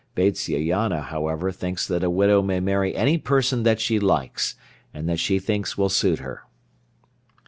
Vatsyayana however thinks that a widow may marry any person that she likes, and that she thinks will suit her.